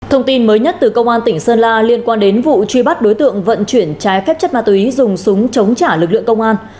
thông tin mới nhất từ công an tỉnh sơn la liên quan đến vụ truy bắt đối tượng vận chuyển trái phép chất ma túy dùng súng chống trả lực lượng công an